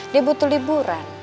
dia butuh liburan